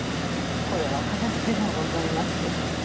これはかたじけのうございます。